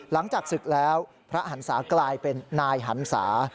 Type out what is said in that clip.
หลังจากศึกแล้วพระหันศากลายเป็นนายหันศา